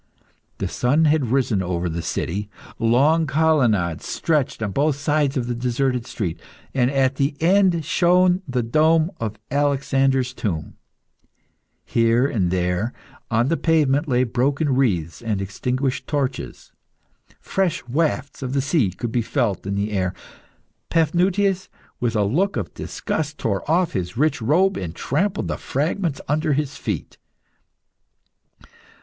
The sun had risen over the city. Long colonnades stretched on both sides of the deserted street, and at the end shone the dome of Alexander's tomb. Here and there on the pavement lay broken wreaths and extinguished torches. Fresh wafts of the sea could be felt in the air. Paphnutius, with a look of disgust, tore off his rich robe and trampled the fragments under his feet.